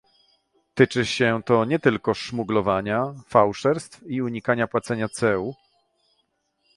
Tyczy się to nie tylko szmuglowania, fałszerstw i unikania płacenia ceł